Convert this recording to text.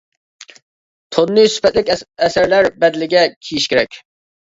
توننى سۈپەتلىك ئەسەرلەر بەدىلىگە كىيىش كېرەك.